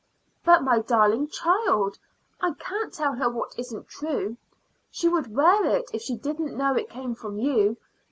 "But, my darling child, I can't tell her what isn't true. She would wear it if she didn't know it came from you.